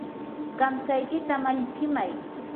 kamtsaykita malichimay.